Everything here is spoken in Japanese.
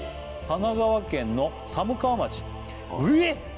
神奈川県の寒川町うえっ！